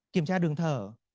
kiểm tra đường thở